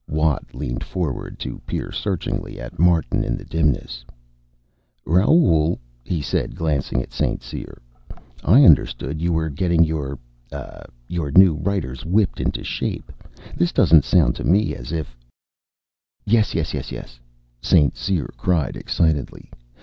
Watt leaned forward to peer searchingly at Martin in the dimness. "Raoul," he said, glancing at St. Cyr, "I understood you were getting your ah your new writers whipped into shape. This doesn't sound to me as if " "Yes, yes, yes, yes," St. Cyr cried excitedly.